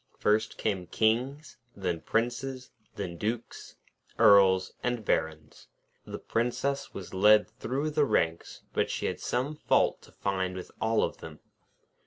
First came Kings, then Princes, then Dukes, Earls, and Barons. The Princess was led through the ranks, but she had some fault to find with all of them.